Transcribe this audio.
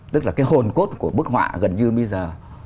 tức là cái hồn cốt của bức họa gần như bây giờ